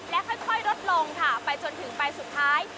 และค่อยลดลงค่ะไปจนถึงใบสุดท้าย